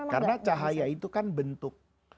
karena cahaya itu kan bentuk